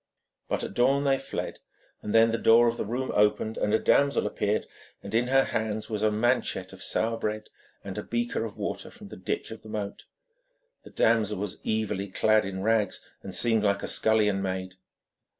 But at dawn they fled, and then the door of the room opened, and a damsel appeared, and in her hands was a manchet of sour bread, and a beaker of water from the ditch of the moat. The damsel was evilly clad in rags, and seemed like a scullion maid.